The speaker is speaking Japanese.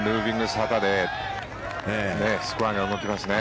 スコアが動きますね。